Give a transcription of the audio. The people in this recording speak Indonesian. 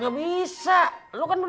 gak bisa lo kan duduk ke keluarga